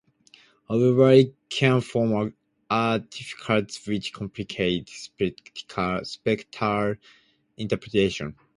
However, it can form artifacts which complicate spectral interpretation.